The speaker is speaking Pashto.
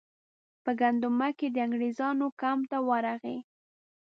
په ګندمک کې د انګریزانو کمپ ته ورغی.